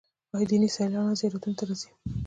آیا دیني سیلانیان زیارتونو ته راځي؟